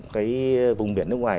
cái vùng biển nước ngoài